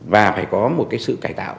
và phải có một sự cải tạo rất là đặc sá